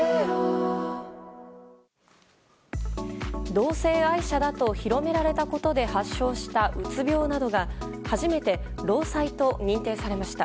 同性愛者だと広められたことで発症した、うつ病などが初めて労災と認定されました。